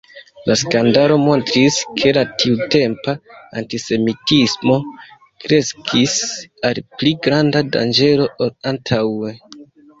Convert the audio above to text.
La skandalo montris, ke la tiutempa antisemitismo kreskis al pli granda danĝero ol antaŭe.